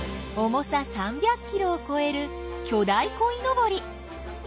重さ３００キロをこえる巨大こいのぼり。